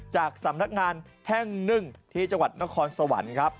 จากสำนักงานแห่งหนึ่งที่จังหวัดนครสวรรค์ครับ